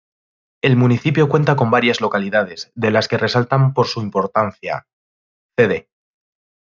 El Municipio cuenta con varias localidades, de las que resaltan por su importancia: Cd.